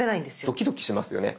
ドキドキしますよね。